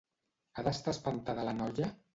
Ha d'estar espantada la noia?